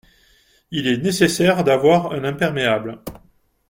Il est nécessaire d’avoir un imperméable.